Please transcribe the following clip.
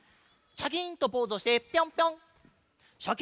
シャキンとポーズしてピョンピョン！